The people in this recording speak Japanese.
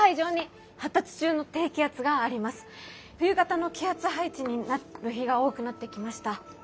冬型の気圧配置になる日が多くなってきました。